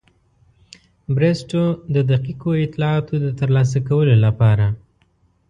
بریسټو د دقیقو اطلاعاتو د ترلاسه کولو لپاره.